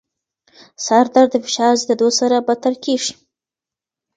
سردرد د فشار زیاتېدو سره بدتر کېږي.